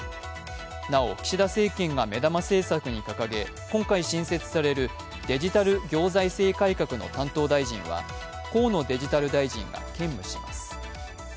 なお、岸田政権が目玉政策に掲げ今回新設される、デジタル行財政改革の担当大臣は、河野デジタル大臣が兼務します。